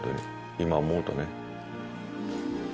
今思うとね。